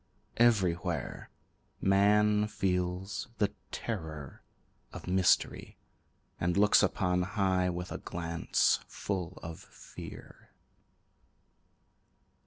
Everywhere, Man feels the terror of mystery, And looks upon high with a glance full of fear.